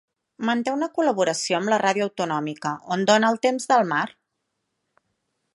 Manté una col·laboració amb la ràdio autonòmica, on dóna el temps del mar.